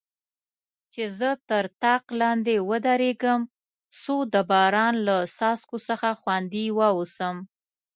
چې زه تر طاق لاندې ودریږم، څو د باران له څاڅکو څخه خوندي واوسم.